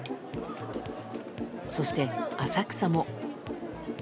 そして、浅草も。